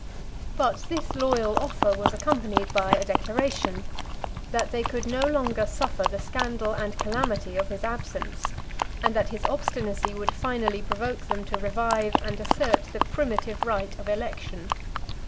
61 But this loyal offer was accompanied by a declaration, that they could no longer suffer the scandal and calamity of his absence; and that his obstinacy would finally provoke them to revive and assert the primitive right of election.